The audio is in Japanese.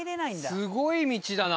すごい道だな。